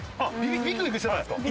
ビクビクしてたんですか？